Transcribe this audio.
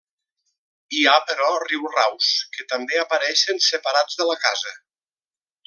Hi ha, però, riuraus que també apareixen separats de la casa.